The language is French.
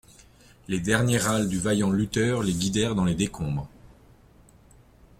Les derniers râles du vaillant lutteur les guidèrent dans les décombres.